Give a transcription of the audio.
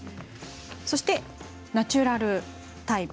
そしてナチュラルタイプ。